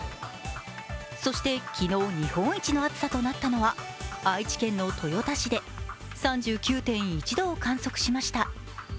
そして昨日日本一の暑さとなったのは愛知県の豊田市で３９．１度を観測しました。